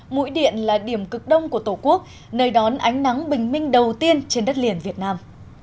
mũi điện là điểm cực đông của tổ quốc nơi đón ánh nắng bình minh đầu tiên trên đất liền việt nam